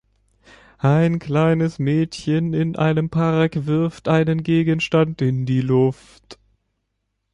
Ein kleines Mädchen in einem Park wirft einen Gegenstand in die Luft.